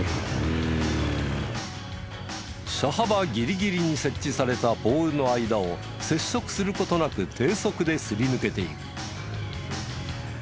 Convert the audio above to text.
車幅ギリギリに設置されたポールの間を接触する事なく低速ですり抜けていく。